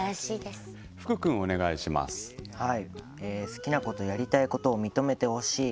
「好きなことやりたいことを認めてほしい。